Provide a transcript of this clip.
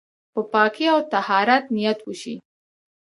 د پاکۍ او طهارت نيت وشي.